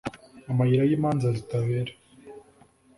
amayira yimanza zitabera